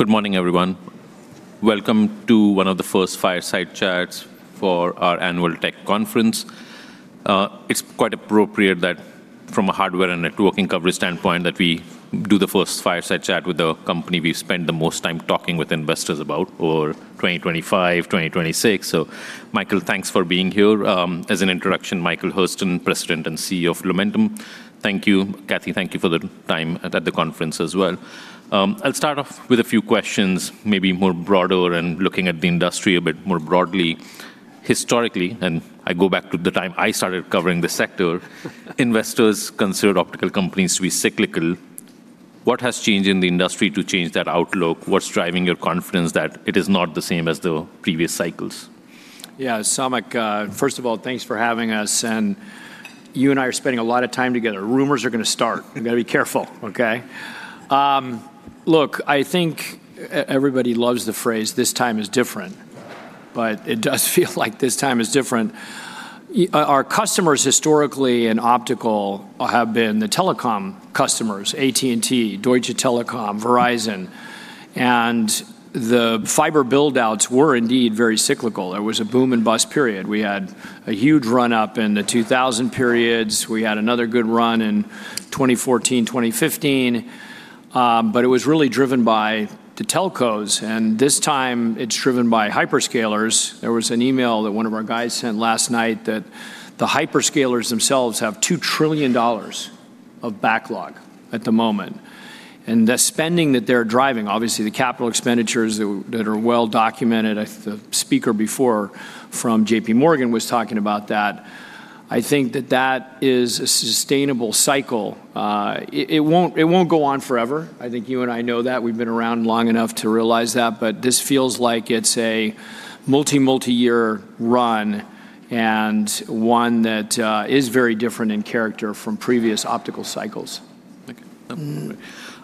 Good morning, everyone. Welcome to one of the first fireside chats for our annual tech conference. It's quite appropriate that from a hardware and networking coverage standpoint that we do the first fireside chat with the company we spend the most time talking with investors about for 2025, 2026. Michael, thanks for being here. As an introduction, Michael Hurlston, President and CEO of Lumentum. Thank you, Kathy. Thank you for the time at the conference as well. I'll start off with a few questions, maybe more broader and looking at the industry a bit more broadly. Historically, I go back to the time I started covering the sector- investors considered optical companies to be cyclical. What has changed in the industry to change that outlook? What's driving your confidence that it is not the same as the previous cycles? Yeah. Samik, first of all, thanks for having us, and you and I are spending a lot of time together. Rumors are gonna start. We gotta be careful, okay? Look, I think everybody loves the phrase, "This time is different," it does feel like this time is different. Our customers historically in optical have been the telecom customers, AT&T, Deutsche Telekom, Verizon, the fiber build-outs were indeed very cyclical. There was a boom and bust period. We had a huge run-up in the 2000 periods. We had another good run in 2014, 2015, it was really driven by the telcos, this time it's driven by hyperscalers. There was an email that one of our guys sent last night that the hyperscalers themselves have $2 trillion of backlog at the moment, and the spending that they're driving, obviously the capital expenditures that are well documented, I think the speaker before from JPMorgan was talking about that. I think that that is a sustainable cycle. It won't go on forever. I think you and I know that. We've been around long enough to realize that, but this feels like it's a multi-year run, and one that is very different in character from previous optical cycles. Okay.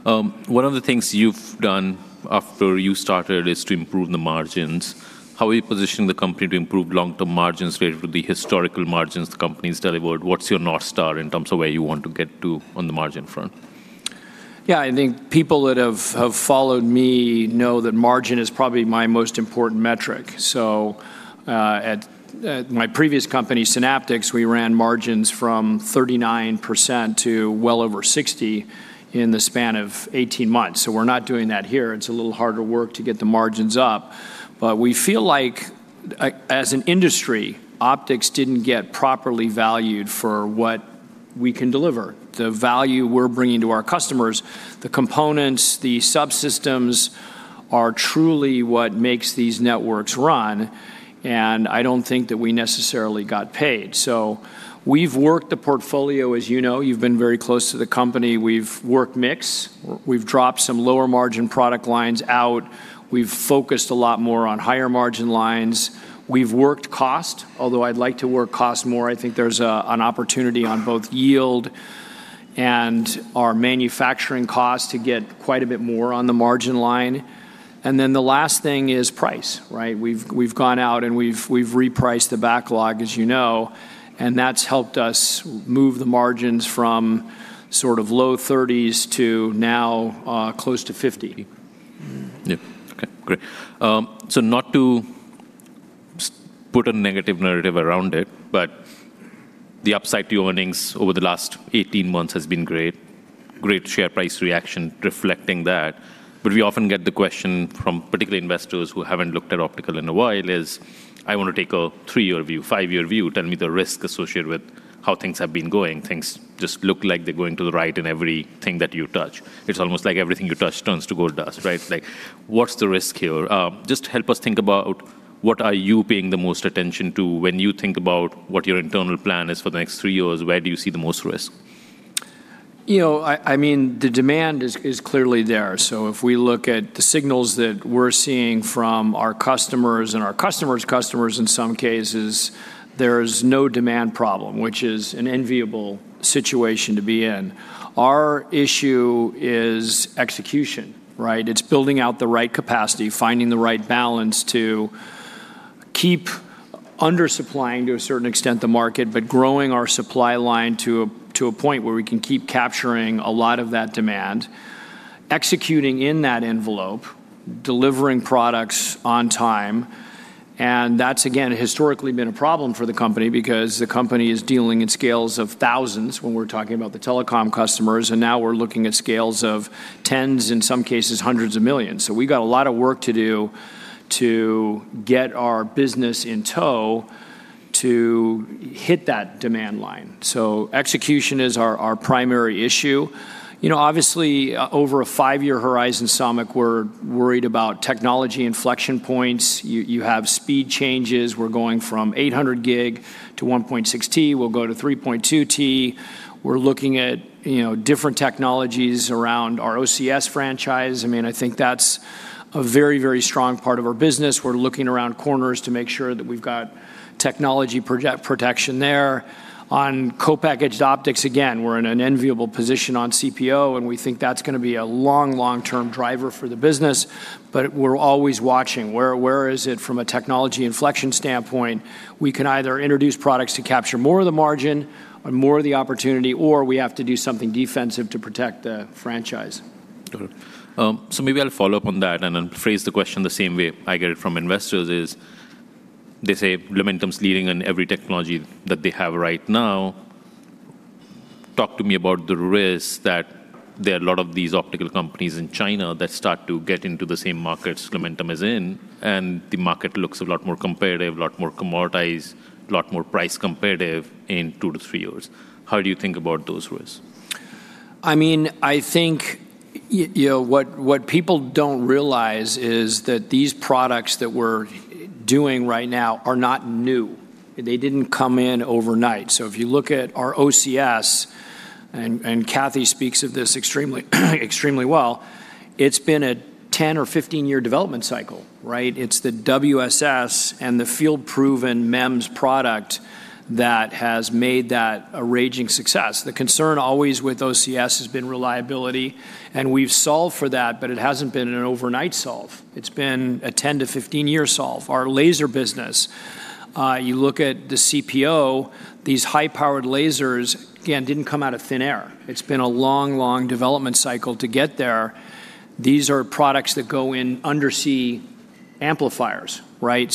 One of the things you've done after you started is to improve the margins. How are you positioning the company to improve long-term margins related to the historical margins the company's delivered? What's your North Star in terms of where you want to get to on the margin front? Yeah. I think people that have followed me know that margin is probably my most important metric. At my previous company, Synaptics, we ran margins from 39% to well over 60% in the span of 18 months. We're not doing that here. It's a little harder work to get the margins up. We feel like as an industry, optics didn't get properly valued for what we can deliver. The value we're bringing to our customers, the components, the subsystems are truly what makes these networks run. I don't think that we necessarily got paid. We've worked the portfolio, as you know. You've been very close to the company. We've worked mix. We've dropped some lower margin product lines out. We've focused a lot more on higher margin lines. We've worked cost, although I'd like to work cost more. I think there's an opportunity on both yield and our manufacturing cost to get quite a bit more on the margin line. The last thing is price, right? We've gone out and we've repriced the backlog, as you know, and that's helped us move the margins from sort of low 30% to now, close to 50%. Yeah. Okay. Great. Not to put a negative narrative around it, but the upside to your earnings over the last 18 months has been great. Great share price reaction reflecting that, but we often get the question from particularly investors who haven't looked at optical in a while is, "I want to take a three-year view, five-year view. Tell me the risk associated with how things have been going. Things just look like they're going to the right in everything that you touch. It's almost like everything you touch turns to gold dust, right?" Like, what's the risk here? Just help us think about what are you paying the most attention to when you think about what your internal plan is for the next three years. Where do you see the most risk? You know, I mean, the demand is clearly there. If we look at the signals that we're seeing from our customers and our customers' customers in some cases, there's no demand problem, which is an enviable situation to be in. Our issue is execution, right? It's building out the right capacity, finding the right balance to keep under-supplying, to a certain extent, the market, but growing our supply line to a point where we can keep capturing a lot of that demand, executing in that envelope, delivering products on time. That's, again, historically been a problem for the company because the company is dealing in scales of thousands when we're talking about the telecom customers, and now we're looking at scales of tens, in some cases hundreds of millions. We've got a lot of work to do to get our business in tow to hit that demand line. Execution is our primary issue. You know, obviously, over a five-year horizon, Samik, we're worried about technology inflection points. You have speed changes. We're going from 800G to 1.6T. We'll go to 3.2T. We're looking at, you know, different technologies around our OCS franchise. I mean, I think that's a very, very strong part of our business. We're looking around corners to make sure that we've got technology protection there. On co-packaged optics, again, we're in an enviable position on CPO, and we think that's gonna be a long, long-term driver for the business. We're always watching. Where is it from a technology inflection standpoint? We can either introduce products to capture more of the margin or more of the opportunity, or we have to do something defensive to protect the franchise. Got it. Maybe I'll follow up on that, phrase the question the same way I get it from investors is. They say Lumentum's leading in every technology that they have right now. Talk to me about the risk that there are a lot of these optical companies in China that start to get into the same markets Lumentum is in, and the market looks a lot more competitive, a lot more commoditized, a lot more price competitive in two-three years. How do you think about those risks? I mean, I think you know, what people don't realize is that these products that we're doing right now are not new. They didn't come in overnight. If you look at our OCS, and Kathy speaks of this extremely well, it's been a 10 or 15-year development cycle, right? It's the WSS and the field-proven MEMS product that has made that a raging success. The concern always with OCS has been reliability, and we've solved for that, but it hasn't been an overnight solve. It's been a 10 to 15-year solve. Our laser business, you look at the CPO, these high-powered lasers, again, didn't come out of thin air. It's been a long development cycle to get there. These are products that go in undersea amplifiers, right?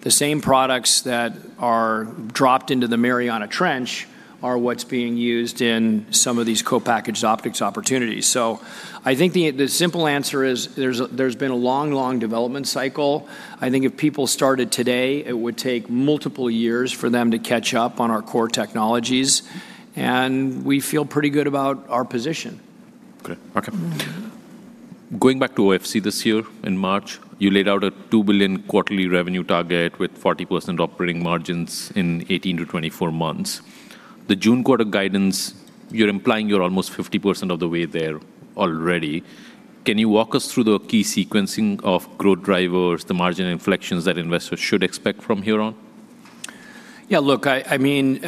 The same products that are dropped into the Mariana Trench are what's being used in some of these co-packaged optics opportunities. I think the simple answer is there's been a long, long development cycle. I think if people started today, it would take multiple years for them to catch up on our core technologies, and we feel pretty good about our position. Okay. Okay. Going back to OFC this year in March, you laid out a $2 billion quarterly revenue target with 40% operating margins in 18-24 months. The June quarter guidance, you're implying you're almost 50% of the way there already. Can you walk us through the key sequencing of growth drivers, the margin inflections that investors should expect from here on? Look, I mean,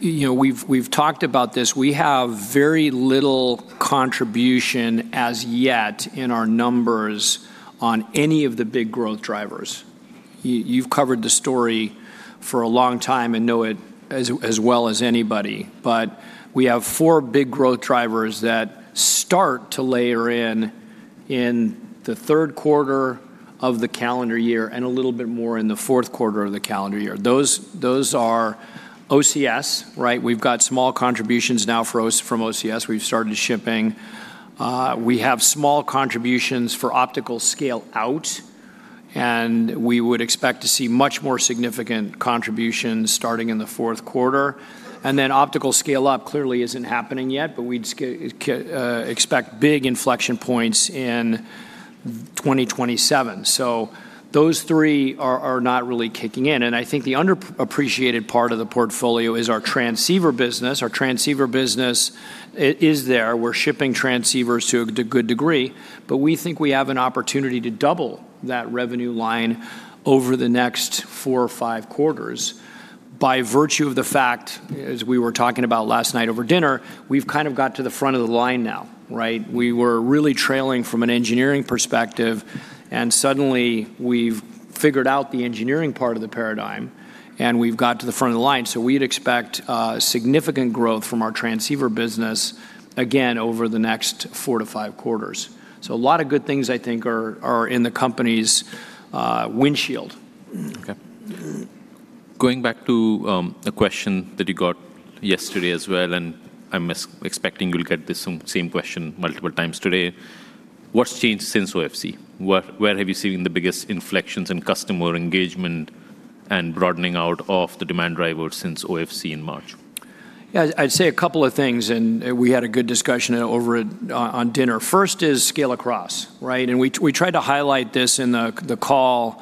we've talked about this. We have very little contribution as yet in our numbers on any of the big growth drivers. You've covered the story for a long time and know it as well as anybody. We have four big growth drivers that start to layer in in the third quarter of the calendar year and a little bit more in the fourth quarter of the calendar year. Those are OCS, right? We've got small contributions now from OCS. We've started shipping. We have small contributions for optical scale-out, and we would expect to see much more significant contributions starting in the fourth quarter. Optical scale-up clearly isn't happening yet, but we'd expect big inflection points in 2027. Those three are not really kicking in. I think the underappreciated part of the portfolio is our transceiver business. Our transceiver business is there. We're shipping transceivers to a good degree, but we think we have an opportunity to double that revenue line over the next four or five quarters by virtue of the fact, as we were talking about last night over dinner, we've kind of got to the front of the line now, right? We were really trailing from an engineering perspective, and suddenly we've figured out the engineering part of the paradigm, and we've got to the front of the line. We'd expect significant growth from our transceiver business again over the next four to five quarters. A lot of good things I think are in the company's windshield. Okay. Going back to, a question that you got yesterday as well, and I'm expecting you'll get this same question multiple times today. What's changed since OFC? Where have you seen the biggest inflections in customer engagement and broadening out of the demand drivers since OFC in March? Yeah, I'd say a couple of things, we had a good discussion over on dinner. First is scale-across, right? We tried to highlight this in the call.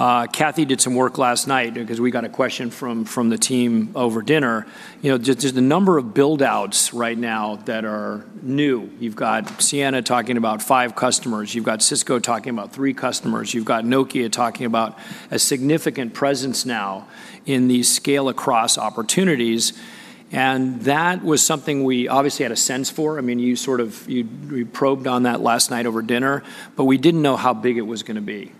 Kathryn Ta did some work last night because we got a question from the team over dinner. You know, just the number of build-outs right now that are new. You've got Ciena talking about five customers. You've got Cisco talking about three customers. You've got Nokia talking about a significant presence now in these scale-across opportunities, that was something we obviously had a sense for. I mean, you probed on that last night over dinner, we didn't know how big it was gonna be.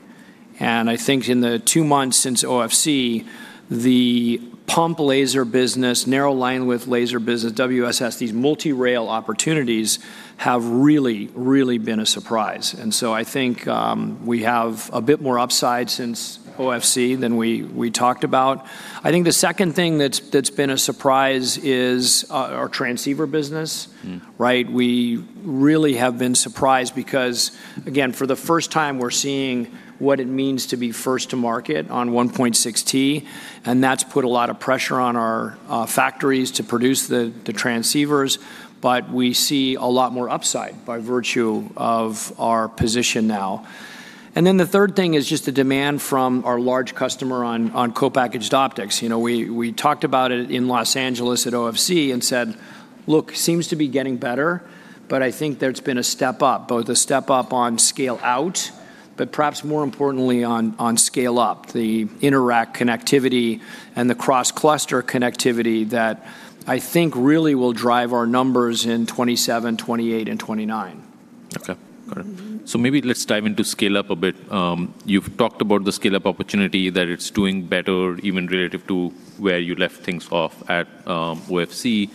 I think in the two months since OFC, the pump laser business, narrow linewidth laser business, WSS, these multi-rail opportunities have really been a surprise. I think, we have a bit more upside since OFC than we talked about. I think the second thing that's been a surprise is, our transceiver business. Right? We really have been surprised because, again, for the first time, we're seeing what it means to be first to market on 1.6T, and that's put a lot of pressure on our factories to produce the transceivers. We see a lot more upside by virtue of our position now. The third thing is just the demand from our large customer on co-packaged optics. You know, we talked about it in Los Angeles at OFC and said, "Look, seems to be getting better," but I think there's been a step up, both a step up on scale-out, but perhaps more importantly on scale up, the intra-rack connectivity and the cross-cluster connectivity that I think really will drive our numbers in 2027, 2028, and 2029. Okay. Got it. Maybe let's dive into scale-up a bit. You've talked about the scale-up opportunity, that it's doing better even relative to where you left things off at OFC.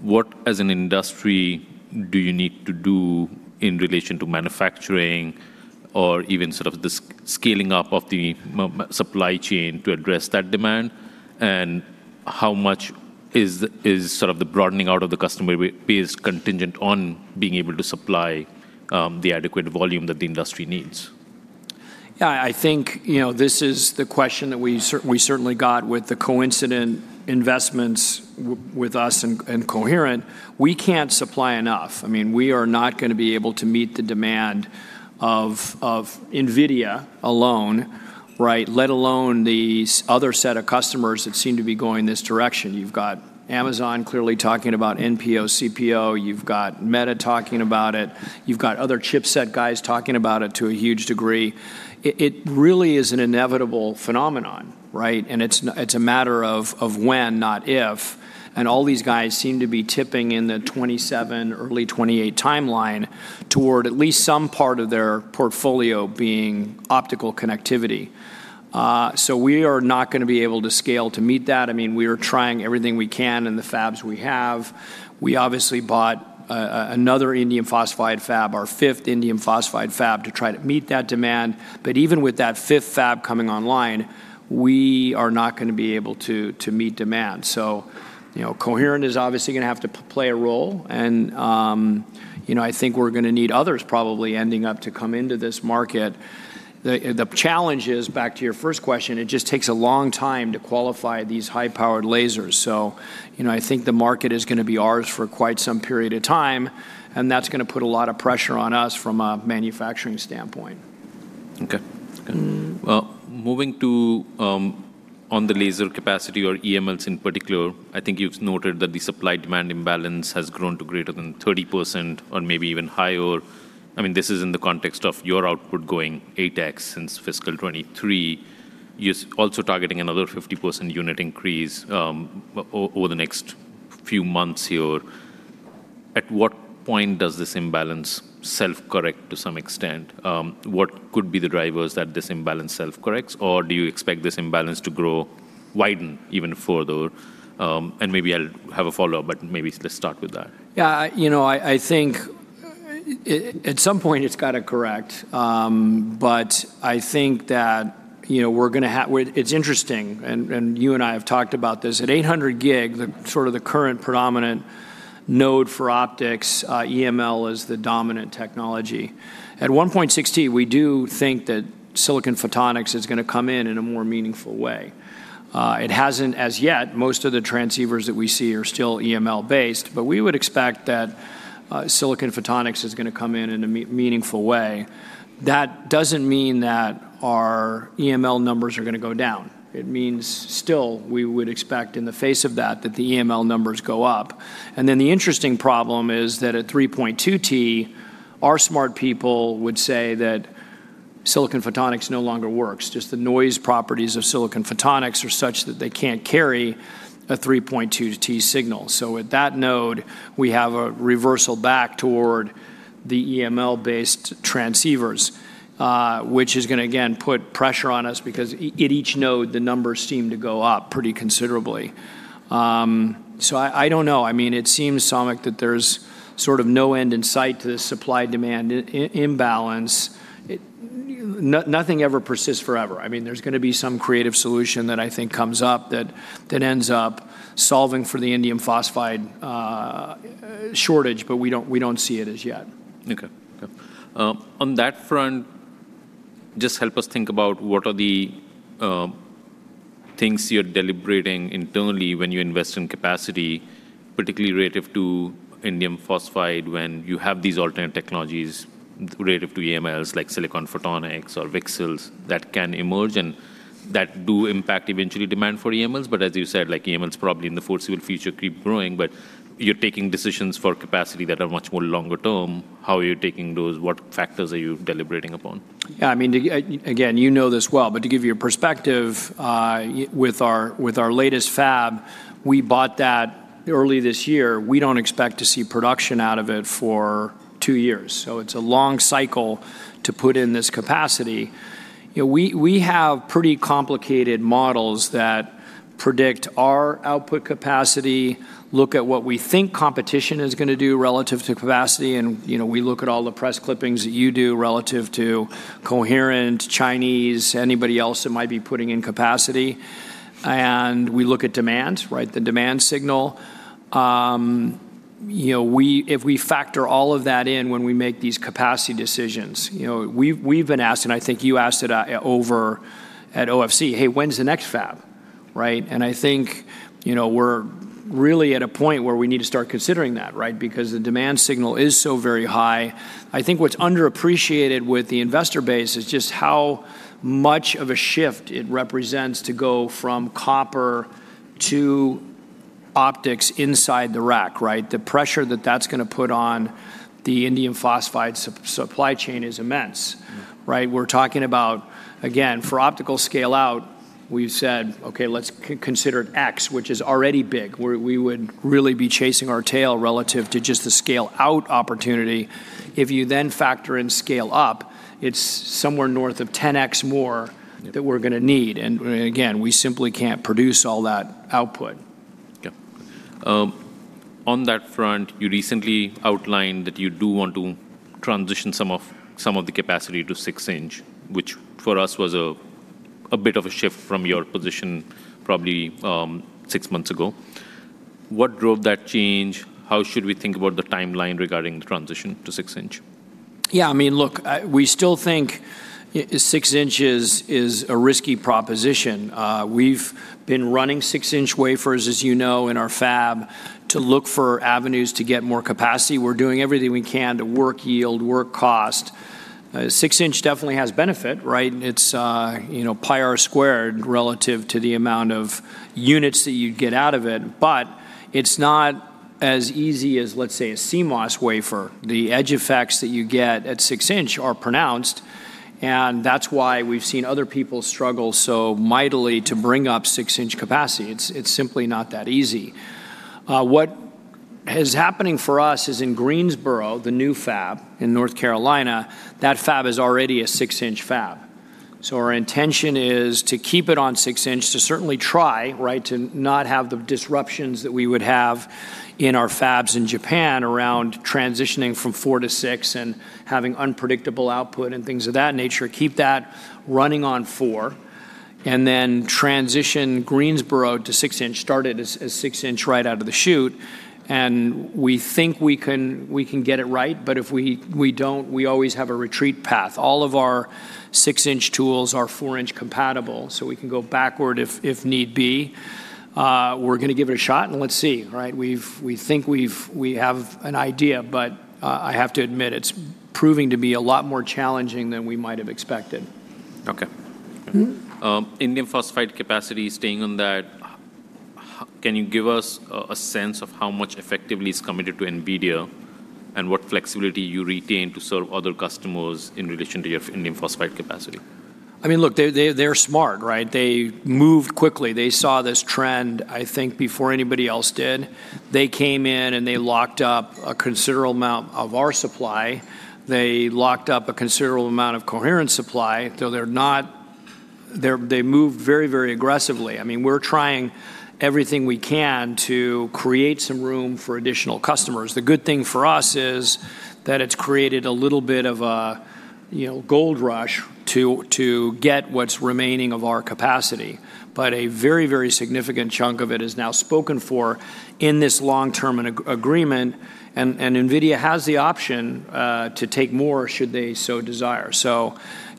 What as an industry do you need to do in relation to manufacturing or even sort of the scaling up of the supply chain to address that demand? How much is sort of the broadening out of the customer base is contingent on being able to supply the adequate volume that the industry needs? Yeah, I think, you know, this is the question that we certainly got with the co-investment investments with us and Coherent. We can't supply enough. I mean, we are not gonna be able to meet the demand of NVIDIA alone, right? Let alone these other set of customers that seem to be going this direction. You've got Amazon clearly talking about NPO, CPO. You've got Meta talking about it. You've got other chipset guys talking about it to a huge degree. It really is an inevitable phenomenon, right? It's a matter of when, not if, and all these guys seem to be tipping in the 2027, early 2028 timeline toward at least some part of their portfolio being optical connectivity. We are not gonna be able to scale to meet that. I mean, we are trying everything we can in the fabs we have. We obviously bought another indium phosphide fab, our fifth indium phosphide fab, to try to meet that demand. Even with that fifth fab coming online, we are not gonna be able to meet demand. You know, Coherent is obviously gonna have to play a role, and, you know, I think we're gonna need others probably ending up to come into this market. The challenge is, back to your first question, it just takes a long time to qualify these high-powered lasers. You know, I think the market is gonna be ours for quite some period of time, and that's gonna put a lot of pressure on us from a manufacturing standpoint. Okay. Good. Well, moving to on the laser capacity or EMLs in particular, I think you've noted that the supply-demand imbalance has grown to greater than 30% or maybe even higher. I mean, this is in the context of your output going 8x since fiscal 2023. You're also targeting another 50% unit increase over the next few months here. At what point does this imbalance self-correct to some extent? What could be the drivers that this imbalance self-corrects, or do you expect this imbalance to grow, widen even further? Maybe I'll have a follow-up, but maybe let's start with that. Yeah, you know, I think at some point it's gotta correct. I think that, you know, It's interesting, and you and I have talked about this. At 800G, the sort of the current predominant node for optics, EML is the dominant technology. At 1.6T, we do think that silicon photonics is gonna come in in a more meaningful way. It hasn't as yet. Most of the transceivers that we see are still EML-based, we would expect that silicon photonics is gonna come in in a meaningful way. That doesn't mean that our EML numbers are gonna go down. It means still we would expect in the face of that the EML numbers go up. The interesting problem is that at 3.2T, our smart people would say that silicon photonics no longer works. Just the noise properties of silicon photonics are such that they can't carry a 3.2T signal. At that node, we have a reversal back toward the EML-based transceivers, which is gonna again put pressure on us because at each node, the numbers seem to go up pretty considerably. I don't know. I mean, it seems, Samik, that there's sort of no end in sight to the supply-demand imbalance. Nothing ever persists forever. I mean, there's gonna be some creative solution that I think comes up that ends up solving for the indium phosphide shortage, but we don't, we don't see it as yet. Okay. Yep. On that front, just help us think about what are the things you're deliberating internally when you invest in capacity, particularly relative to indium phosphide when you have these alternate technologies relative to EMLs like silicon photonics or VCSELs that can emerge and that do impact eventually demand for EMLs. As you said, like EMLs probably in the foreseeable future keep growing, but you're taking decisions for capacity that are much more longer term. How are you taking those? What factors are you deliberating upon? Yeah, I mean, again, you know this well, but to give you a perspective, with our latest fab, we bought that early this year. We don't expect to see production out of it for two years. It's a long cycle to put in this capacity. You know, we have pretty complicated models that predict our output capacity, look at what we think competition is going to do relative to capacity, and, you know, we look at all the press clippings that you do relative to Coherent, Chinese, anybody else that might be putting in capacity. We look at demand, right, the demand signal. You know, if we factor all of that in when we make these capacity decisions. You know, we've been asked, and I think you asked it, over at OFC, "Hey, when's the next fab?" Right? I think, you know, we're really at a point where we need to start considering that, right? The demand signal is so very high. I think what's underappreciated with the investor base is just how much of a shift it represents to go from copper to optics inside the rack, right? The pressure that that's gonna put on the indium phosphide supply chain is immense. Right? We are talking about, again, for optical scale-out, we have said, "Okay, let's consider it X," which is already big. We would really be chasing our tail relative to just the optical scale-out opportunity. If you then factor in optical scale-up, it is somewhere north of 10x more. That we're going to need. Again, we simply can't produce all that output. Yep. On that front, you recently outlined that you do want to transition some of the capacity to 6-inch, which for us was a bit of a shift from your position probably, six months ago. What drove that change? How should we think about the timeline regarding the transition to 6-inch? Yeah, I mean, look, we still think 6-inch is a risky proposition. We've been running 6-inch wafers, as you know, in our fab to look for avenues to get more capacity. We're doing everything we can to work yield, work cost. 6-inch definitely has benefit, right? It's, you know, pi r squared relative to the amount of units that you'd get out of it. It's not as easy as, let's say, a CMOS wafer. The edge effects that you get at 6-inch are pronounced, that's why we've seen other people struggle so mightily to bring up 6-inch capacity. It's simply not that easy. What is happening for us is in Greensboro, the new fab in North Carolina, that fab is already a 6-inch fab. Our intention is to keep it on 6-inch, to certainly try, right, to not have the disruptions that we would have in our fabs in Japan around transitioning from four to six and having unpredictable output and things of that nature. Keep that running on four, and then transition Greensboro to 6-inch, start it as 6-inch right out of the chute. We think we can get it right, but if we don't, we always have a retreat path. All of our 6-inch tools are 4-inch compatible, so we can go backward if need be. We're going to give it a shot and let's see, right? We think we have an idea, but, I have to admit, it's proving to be a lot more challenging than we might have expected. Okay. Indium phosphide capacity, staying on that, can you give us a sense of how much effectively is committed to NVIDIA and what flexibility you retain to serve other customers in relation to your indium phosphide capacity? I mean, look, they're smart, right? They moved quickly. They saw this trend, I think, before anybody else did. They came in, and they locked up a considerable amount of our supply. They locked up a considerable amount of Coherent supply. They moved very, very aggressively. I mean, we're trying everything we can to create some room for additional customers. The good thing for us is that it's created a little bit of a, you know, gold rush to get what's remaining of our capacity. A very, very significant chunk of it is now spoken for in this long-term agreement. NVIDIA has the option to take more should they so desire.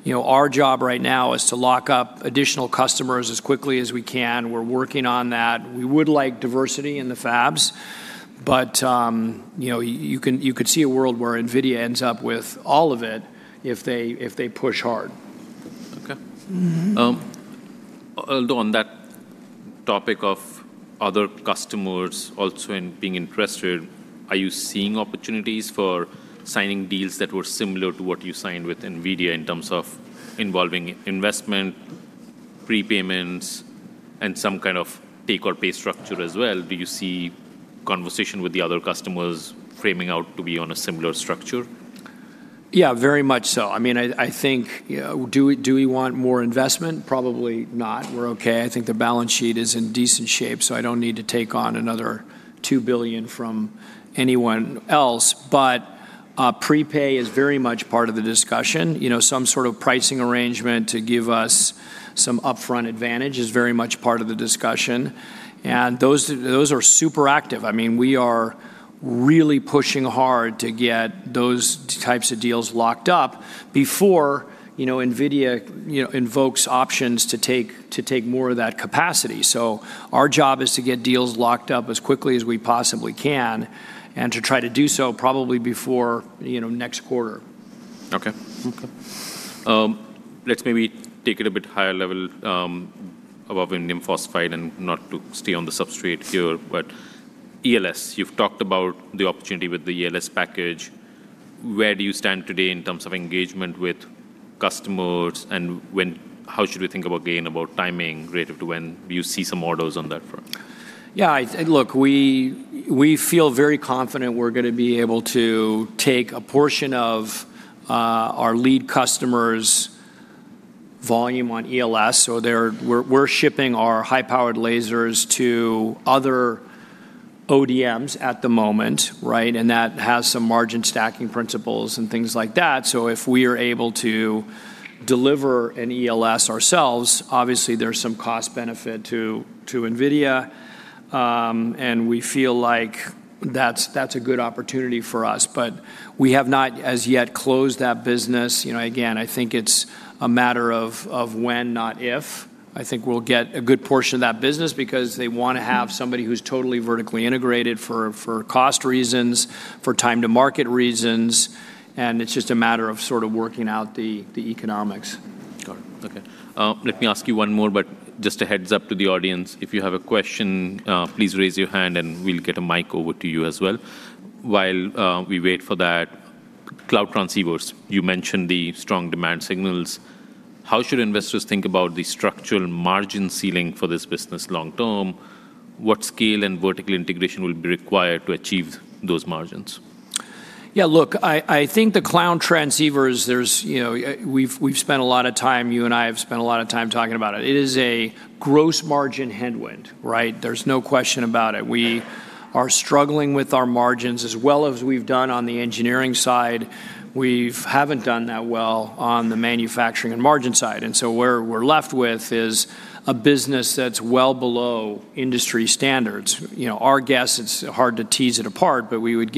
You know, our job right now is to lock up additional customers as quickly as we can. We're working on that. We would like diversity in the fabs, but, you know, you could see a world where NVIDIA ends up with all of it if they push hard. Okay. On that topic of other customers also in being interested, are you seeing opportunities for signing deals that were similar to what you signed with NVIDIA in terms of involving investment, prepayments, and some kind of take or pay structure as well? Do you see conversation with the other customers framing out to be on a similar structure? Yeah, very much so. I mean, I think, you know, do we want more investment? Probably not. We're okay. I think the balance sheet is in decent shape. I don't need to take on another $2 billion from anyone else. Prepay is very much part of the discussion. You know, some sort of pricing arrangement to give us some upfront advantage is very much part of the discussion. Those are super active. I mean, we are really pushing hard to get those types of deals locked up before, you know, NVIDIA, you know, invokes options to take more of that capacity. Our job is to get deals locked up as quickly as we possibly can and to try to do so probably before, you know, next quarter. Okay. Okay. Let's maybe take it a bit higher level, above indium phosphide and not to stay on the substrate here, but ELS. You've talked about the opportunity with the ELS package. Where do you stand today in terms of engagement with customers, and how should we think about gain, about timing relative to when you see some orders on that front? We feel very confident we're going to be able to take a portion of our lead customer's volume on ELS. We're shipping our high-powered lasers to other ODMs at the moment, right? That has some margin stacking principles and things like that. If we are able to deliver an ELS ourselves, obviously there's some cost benefit to NVIDIA. We feel like that's a good opportunity for us. We have not as yet closed that business. You know, again, I think it's a matter of when, not if. I think we'll get a good portion of that business because they want to have somebody who's totally vertically integrated for cost reasons, for time to market reasons, and it's just a matter of sort of working out the economics. Got it. Okay. Let me ask you one more, but just a heads-up to the audience. If you have a question, please raise your hand, and we'll get a mic over to you as well. While we wait for that, cloud transceivers, you mentioned the strong demand signals. How should investors think about the structural margin ceiling for this business long term? What scale and vertical integration will be required to achieve those margins? Yeah, look, I think the cloud transceivers, there's, you know, we've spent a lot of time, you and I have spent a lot of time talking about it. It is a gross margin headwind, right? There's no question about it. We are struggling with our margins. As well as we've done on the engineering side, we haven't done that well on the manufacturing and margin side. Where we're left with is a business that's well below industry standards. You know, our guess, it's hard to tease it apart, but we would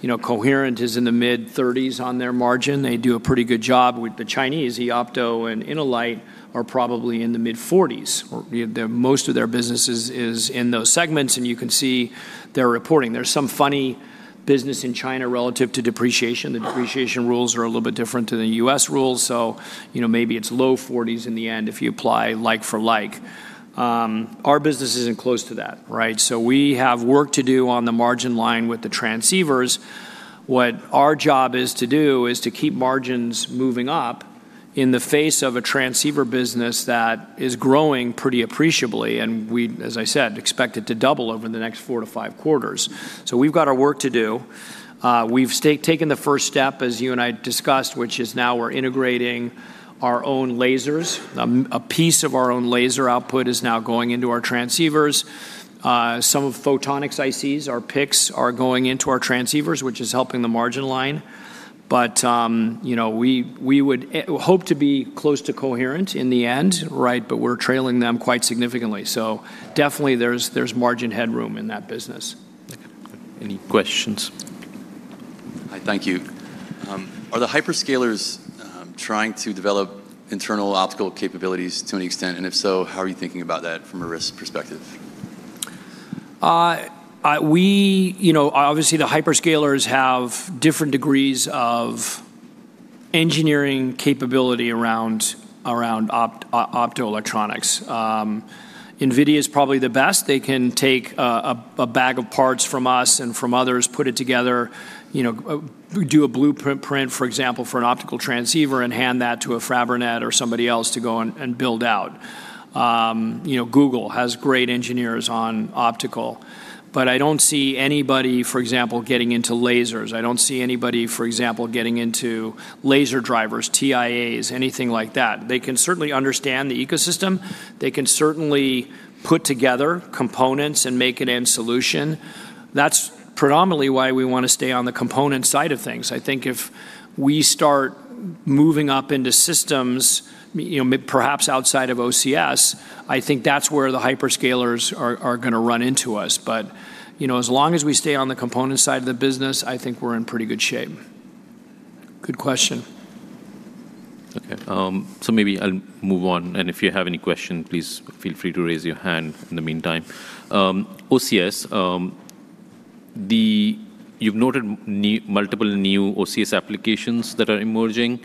guess, you know, Coherent is in the mid-30s on their margin. They do a pretty good job with the Chinese. Eoptolink and InnoLight are probably in the mid-40s. Their, most of their businesses is in those segments, and you can see their reporting. There's some funny business in China relative to depreciation. The depreciation rules are a little bit different to the U.S. rules. You know, maybe it's low 40s in the end if you apply like for like. Our business isn't close to that, right? We have work to do on the margin line with the transceivers. What our job is to do is to keep margins moving up in the face of a transceiver business that is growing pretty appreciably. We, as I said, expect it to double over the next four to five quarters. We've got our work to do. We've taken the first step, as you and I discussed, which is now we're integrating our own lasers. A piece of our own laser output is now going into our transceivers. Some of Photonic ICs, our PICs, are going into our transceivers, which is helping the margin line. You know, we would hope to be close to Coherent in the end, right, but we're trailing them quite significantly. Definitely there's margin headroom in that business. Any questions? Hi, thank you. Are the hyperscalers trying to develop internal optical capabilities to any extent? If so, how are you thinking about that from a risk perspective? You know, obviously the hyperscalers have different degrees of engineering capability around optoelectronics. NVIDIA is probably the best. They can take a bag of parts from us and from others, put it together, you know, do a blueprint, for example, for an optical transceiver and hand that to a Fabrinet or somebody else to go and build out. You know, Google has great engineers on optical. I don't see anybody, for example, getting into lasers. I don't see anybody, for example, getting into laser drivers, TIAs, anything like that. They can certainly understand the ecosystem. They can certainly put together components and make an end solution. That's predominantly why we want to stay on the component side of things. I think if we start moving up into systems, you know, perhaps outside of OCS, I think that's where the hyperscalers are gonna run into us. You know, as long as we stay on the component side of the business, I think we're in pretty good shape. Good question. Maybe I'll move on, and if you have any question, please feel free to raise your hand in the meantime. OCS, You've noted multiple new OCS applications that are emerging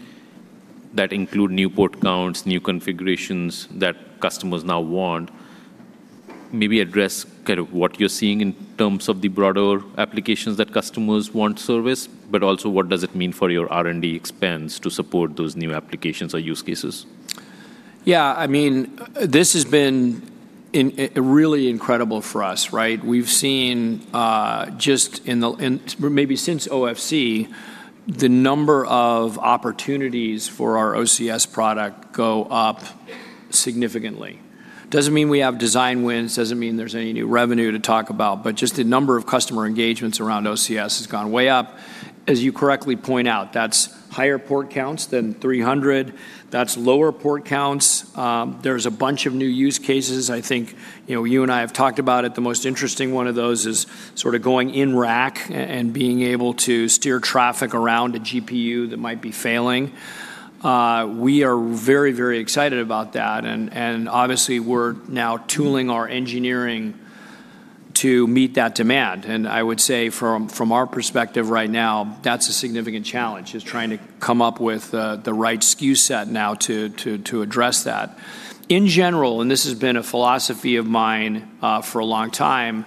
that include new port counts, new configurations that customers now want. Maybe address kind of what you're seeing in terms of the broader applications that customers want service, but also what does it mean for your R&D expense to support those new applications or use cases? Yeah, I mean, this has been really incredible for us, right? We've seen just since OFC, the number of opportunities for our OCS product go up significantly. Doesn't mean we have design wins, doesn't mean there's any new revenue to talk about, just the number of customer engagements around OCS has gone way up. As you correctly point out, that's higher port counts than 300, that's lower port counts. There's a bunch of new use cases. I think, you know, you and I have talked about it. The most interesting one of those is sort of going in rack and being able to steer traffic around a GPU that might be failing. We are very, very excited about that, and obviously we're now tooling our engineering to meet that demand. I would say from our perspective right now, that's a significant challenge, is trying to come up with the right SKU set now to address that. In general, and this has been a philosophy of mine, for a long time,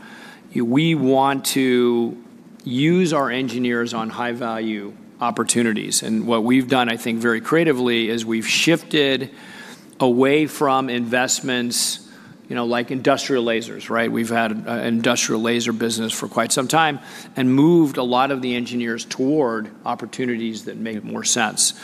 we want to use our engineers on high-value opportunities. What we've done, I think, very creatively, is we've shifted away from investments, you know, like industrial lasers, right? We've had a industrial laser business for quite some time and moved a lot of the engineers toward opportunities that make more sense.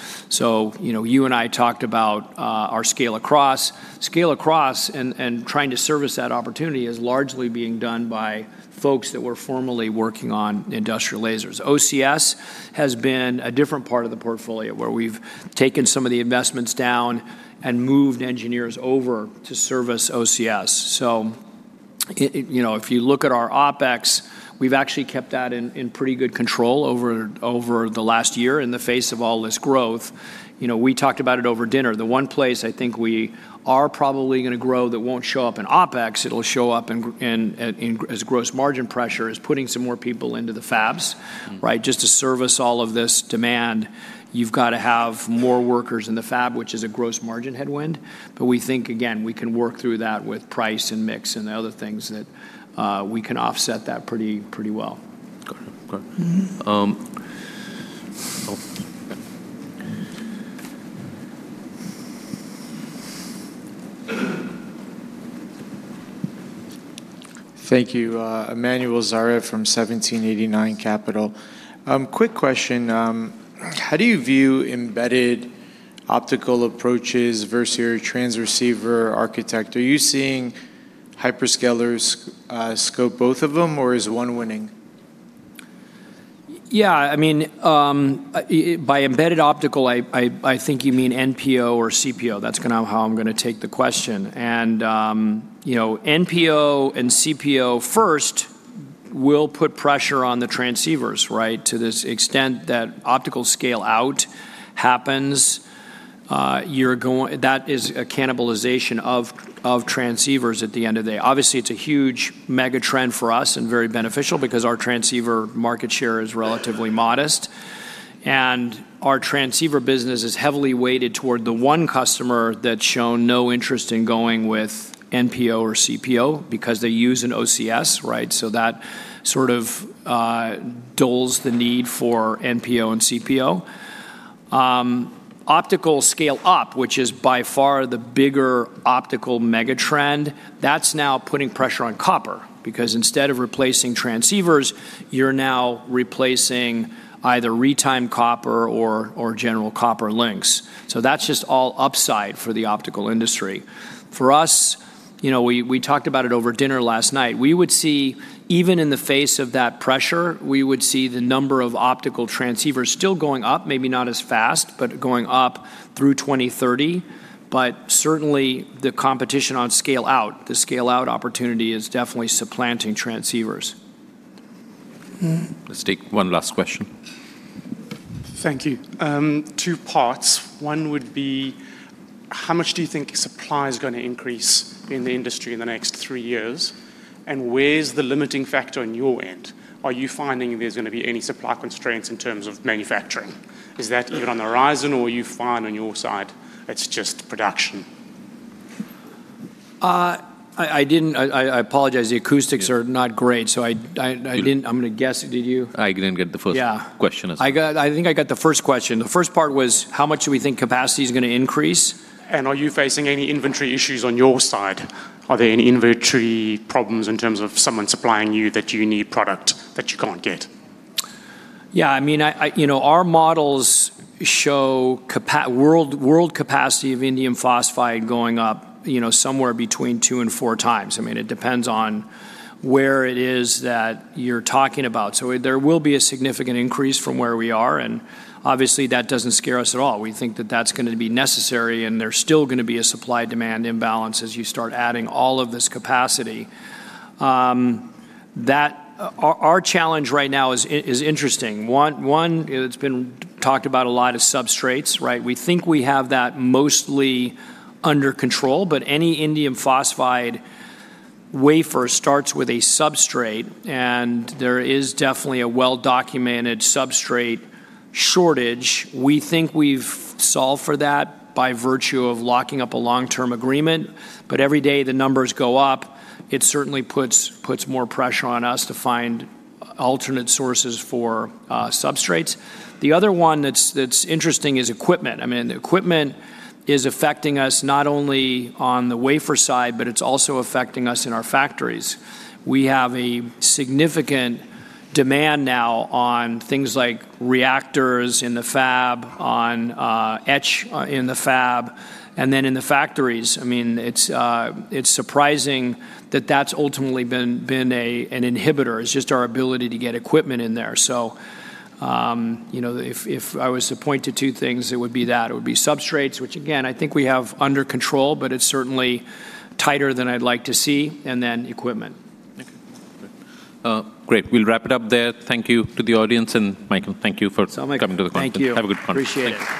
You know, you and I talked about our scale-across. Scale-across and trying to service that opportunity is largely being done by folks that were formerly working on industrial lasers. OCS has been a different part of the portfolio, where we've taken some of the investments down and moved engineers over to service OCS. It, you know, if you look at our OpEx, we've actually kept that in pretty good control over the last year in the face of all this growth. You know, we talked about it over dinner. The one place I think we are probably gonna grow that won't show up in OpEx, it'll show up in as gross margin pressure, is putting some more people into the fabs, right? Just to service all of this demand, you've got to have more workers in the fab, which is a gross margin headwind. We think, again, we can work through that with price and mix and the other things that we can offset that pretty well. Okay. Okay. Thank you. Emanuel Zareh from 1789 Capital. Quick question. How do you view embedded optical approaches versus your transceiver architecture? Are you seeing hyperscalers scope both of them, or is one winning? I mean, by embedded optical, I think you mean NPO or CPO. That's kind of how I'm going to take the question. You know, NPO and CPO first will put pressure on the transceivers, right? To this extent that optical scale-out happens, that is a cannibalization of transceivers at the end of the day. Obviously, it's a huge mega trend for us and very beneficial because our transceiver market share is relatively modest, and our transceiver business is heavily weighted toward the one customer that's shown no interest in going with NPO or CPO because they use an OCS, right? That sort of dulls the need for NPO and CPO. Optical scale-up, which is by far the bigger optical mega trend, that's now putting pressure on copper because instead of replacing transceivers, you're now replacing either retimed copper or general copper links. That's just all upside for the optical industry. For us, you know, we talked about it over dinner last night. We would see, even in the face of that pressure, we would see the number of optical transceivers still going up, maybe not as fast, but going up through 2030. Certainly, the competition on scale out, the scale out opportunity is definitely supplanting transceivers. Let's take one last question. Thank you. Two parts. One would be, how much do you think supply is gonna increase in the industry in the next three years, and where's the limiting factor on your end? Are you finding there's gonna be any supply constraints in terms of manufacturing? Is that even on the horizon, or you find on your side it's just production? I apologize. The acoustics are not great, so I didn't. You- I'm gonna guess. I didn't get the first. Yeah question, I think. I think I got the first question. The first part was how much do we think capacity is gonna increase? Are you facing any inventory issues on your side? Are there any inventory problems in terms of someone supplying you that you need product that you can't get? I mean, you know, our models show world capacity of indium phosphide going up, you know, somewhere between 2x and 4x. I mean, it depends on where it is that you're talking about. There will be a significant increase from where we are, and obviously, that doesn't scare us at all. We think that that's gonna be necessary, and there's still gonna be a supply-demand imbalance as you start adding all of this capacity. That Our challenge right now is interesting. One, it's been talked about a lot, is substrates, right? We think we have that mostly under control, but any indium phosphide wafer starts with a substrate, and there is definitely a well-documented substrate shortage. We think we've solved for that by virtue of locking up a long-term agreement, but every day the numbers go up. It certainly puts more pressure on us to find alternate sources for substrates. The other one that's interesting is equipment. I mean, the equipment is affecting us not only on the wafer side, but it's also affecting us in our factories. We have a significant demand now on things like reactors in the fab, on etch in the fab, and then in the factories. I mean, it's surprising that that's ultimately been an inhibitor. It's just our ability to get equipment in there. You know, if I was to point to two things, it would be that. It would be substrates, which again, I think we have under control, but it's certainly tighter than I'd like to see, and then equipment. Okay. Good. Great. We'll wrap it up there. Thank you to the audience, and Michael, thank you for coming to the conference. Thank you. Have a good conference. Appreciate it.